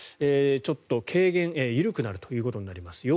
ちょっと軽減、緩くなるということになります。